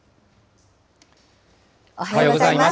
おはようございます。